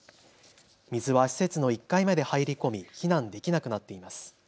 水は施設の１階まで入り込み避難できなくなっています。